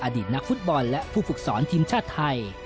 อดีตนักฟุตบอลและผู้ฝึกสอนทีมชาติไทย